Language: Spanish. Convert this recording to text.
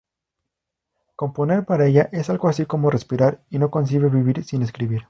Componer para ella es algo así como respirar y no concibe vivir sin escribir.